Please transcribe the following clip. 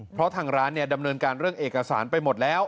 เพราะทางร้านเนี่ยดำเนินการเรื่องเอกสารไปหมดแล้ว